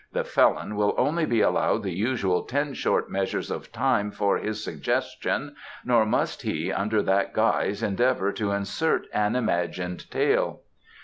"The felon will only be allowed the usual ten short measures of time for his suggestion, nor must he, under that guise, endeavour to insert an imagined tale."